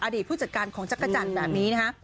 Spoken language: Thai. ผู้จัดการของจักรจันทร์แบบนี้นะฮะ